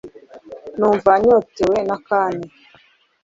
numva nyotewe cane